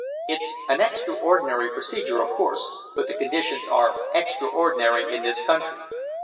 It's an extraordinary procedure, of course, but the conditions are extraordinary in this country.